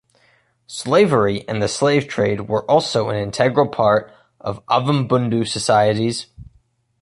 Slavery and the slave trade were also an integral part of Ovimbundu societies.